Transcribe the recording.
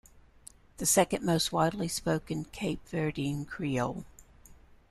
It is the second most widely spoken Cape Verdean creole.